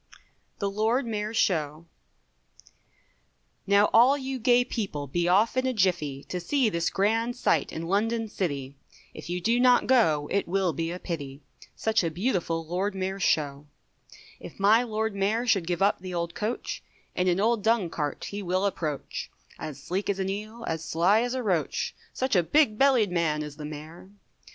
THE LORD MAYOR'S SHOW. Now all you gay people, be off in a jiffy, To see this grand sight in London city, If you do not go, it will be a pity, Such a beautiful Lord Mayor's Show; If my Lord Mayor should give up the old coach, In an old dung cart he will approach, As sleek as an eel, as sly as a roach, Such a big bellied man is the mayor.